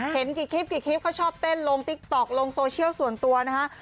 เห็นกี่คลิปกี่คลิปเขาชอบเต้นลงติ๊กต๊อกลงโซเชียลส่วนตัวนะฮะ